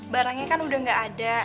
barangnya kan udah gak ada